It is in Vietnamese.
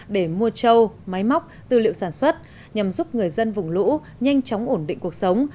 để mua trâu máy móc tư liệu sản xuất nhằm giúp người dân vùng lũ nhanh chóng ổn định cuộc sống